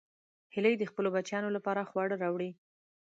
هیلۍ د خپلو بچیانو لپاره خواړه راوړي